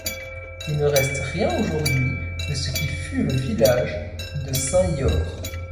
Il ne reste rien aujourd'hui de ce qui fut le village de Saint-Yors.